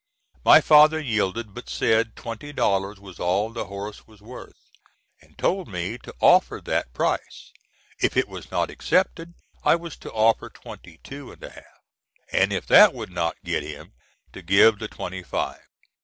My father yielded, but said twenty dollars was all the horse was worth, and told me to offer that price; if it was not accepted I was to offer twenty two and a half, and if that would not get him, to give the twenty five.